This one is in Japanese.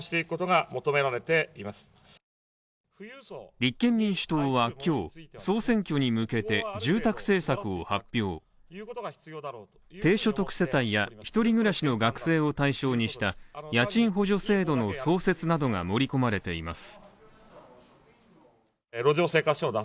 立憲民主党は今日、総選挙に向けて１人暮らしの学生を対象にした家賃補助制度の創設などが盛り込まれています。